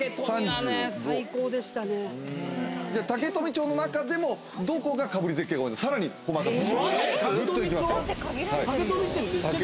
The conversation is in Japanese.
竹富町の中でもどこがかぶり絶景が多いのかさらに細かく。